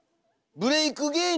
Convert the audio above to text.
ブレイク芸人。